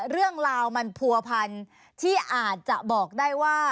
เรื่องราวมันผัวพันที่อาจจะบอกได้ว่า